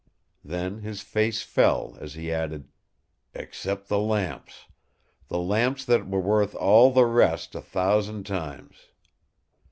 Then his face fell as he added, "Except the lamps. The lamps that were worth all the rest a thousand times...."